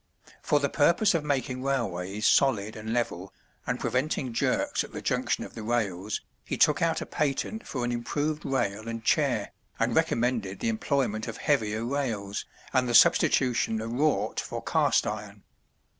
For the purpose of making railways solid and level, and preventing jerks at the junction of the rails, he took out a patent for an improved rail and chair, and recommended the employment of heavier rails, and the substitution of wrought for cast iron.